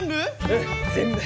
うん全部。